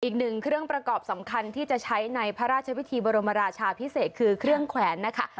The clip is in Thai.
อีกหนึ่งเครื่องประกอบสำคัญที่จะใช้ในพระราชวิธีบรมราชาพิเศษคือเครื่องแขวนนะคะ